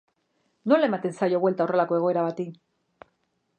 Nola ematen zaio buelta horrelako egoera bati?